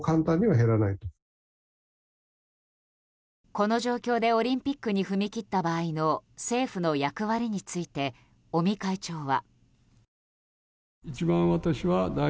この状況でオリンピックに踏み切った場合の政府の役割について尾身会長は。